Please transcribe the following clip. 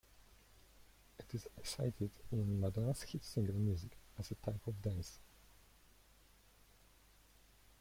It is citied in Madonna's hit single "Music" as a type of dance.